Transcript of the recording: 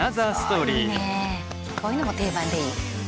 こういうのも定番でいい。